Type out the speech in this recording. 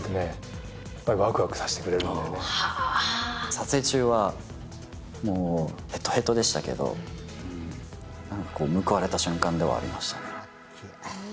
撮影中はもうヘトヘトでしたけど、報われた瞬間ではありましたね。